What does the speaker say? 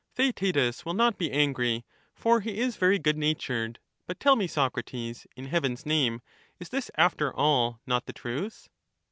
217 Theod, Theaetetus will not be angry, for he is very good Theaetetus, natured. But tell me, Socrates, in heaven's name, is this, sooute^ after all, not the truth ?